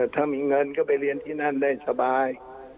ถ้ามีเงินก็ไปเรียนที่นั่นได้สบาย